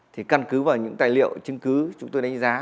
thì căn cứ vào những tài liệu chứng cứ chúng tôi đánh giá